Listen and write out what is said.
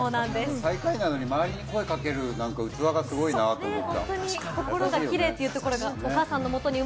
最下位なのに、周りに声かけるなんて器がすごいなって。